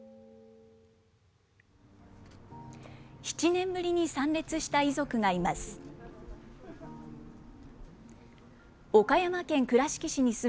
７年ぶりに参列した遺族がいます。